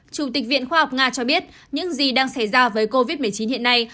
chủ tịch viện khoa học nga cho biết những gì đang xảy ra với covid một mươi chín hiện nay